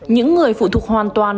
những người phụ thuộc hoàn toàn